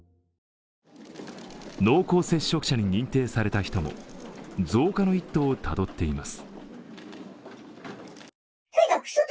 濃厚接触者に認定された人も増加の一途をたどっています。